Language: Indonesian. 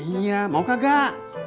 iya mau kagak